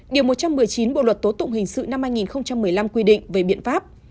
điều một trăm một mươi chín bộ luật tố tụng hình sự năm hai nghìn một mươi năm quy định về biện pháp